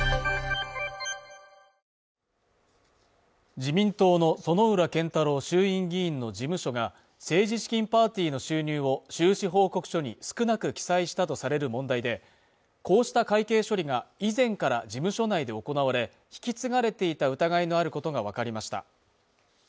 自民党の薗浦健太郎衆院議員の事務所が政治資金パーティーの収入を収支報告書に少なく記載したとされる問題でこうした会計処理が以前から事務所内で行われ引き継がれていた疑いのあることが分かりました